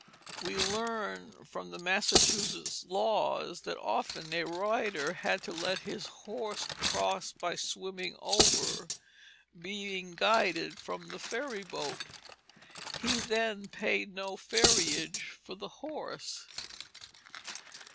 We learn from the Massachusetts Laws that often a rider had to let his horse cross by swimming over, being guided from the ferry boat; he then paid no ferriage for the horse.